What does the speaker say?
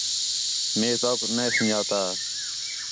مے توک نے سُن٘ڄاتا